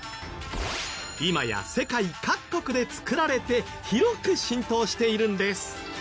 今や世界各国で作られて広く浸透しているんです。